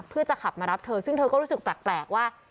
เพื่อจะขับมารับเธอซึ่งเธอก็รู้สึกแปลกว่า